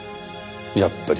やっぱり。